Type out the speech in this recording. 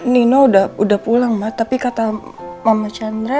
nino udah pulang mah tapi kata mama chandra